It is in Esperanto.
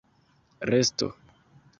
resto